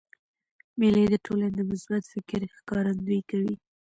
مېلې د ټولني د مثبت فکر ښکارندویي کوي.